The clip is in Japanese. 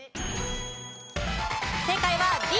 正解はＤ。